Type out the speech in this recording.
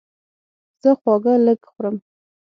زه خواږه لږ خورم.